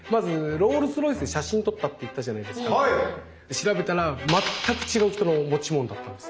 調べたら全く違う人の持ち物だったんです。